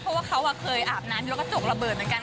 เพราะว่าเขาเคยอาบน้ำแล้วก็จกระเบิดเหมือนกัน